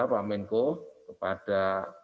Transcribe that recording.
bapak menko kepada